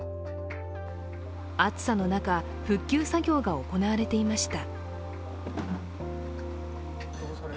暑さの中、復旧作業が行われていました。